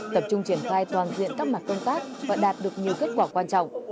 tập trung triển khai toàn diện các mặt công tác và đạt được nhiều kết quả quan trọng